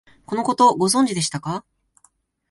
このこと、ご存知でしたか？